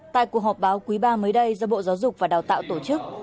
tại cuộc họp báo quý ba mới đây do bộ giáo dục và đào tạo tổ chức